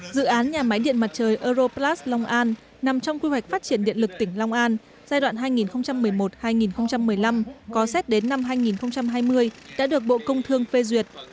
dự án nhà máy điện mặt trời europlas long an nằm trong quy hoạch phát triển điện lực tỉnh long an giai đoạn hai nghìn một mươi một hai nghìn một mươi năm có xét đến năm hai nghìn hai mươi đã được bộ công thương phê duyệt